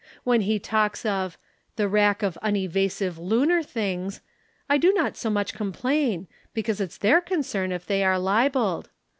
When he talks of "'The rack of unevasive lunar things' I do not so much complain, because it's their concern if they are libelled.